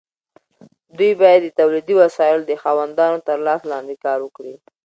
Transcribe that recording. دوی باید د تولیدي وسایلو د خاوندانو تر لاس لاندې کار وکړي.